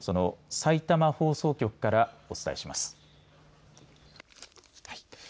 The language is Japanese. さいたま放送局からお伝えします。